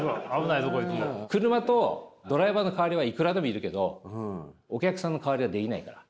車とドライバーの代わりはいくらでもいるけどお客さんの代わりはできないから。